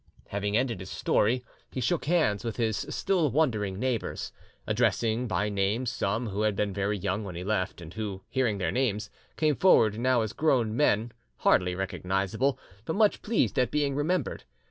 Having ended his story, he shook hands with his still wondering neighbours, addressing by name some who had been very young when he left, and who, hearing their names, came forward now as grown men, hardly recognisable, but much pleased at being remembered.